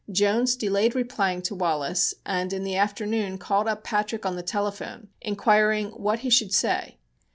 Jones delayed replying to Wallace and in the afternoon called up Patrick on the telephone, inquiring what he should say.